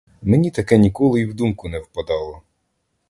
Мені таке ніколи і в думку не впадало.